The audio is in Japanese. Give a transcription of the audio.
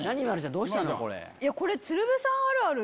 これ。